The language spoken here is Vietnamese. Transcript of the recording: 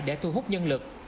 để thu hút nhân lực